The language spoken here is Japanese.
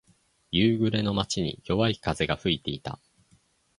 夕暮れの街に、弱い風が吹いていた。